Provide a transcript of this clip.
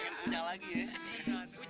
soalnya kamu ada di bawah